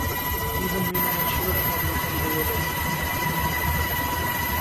Even women and children have become guerrillas.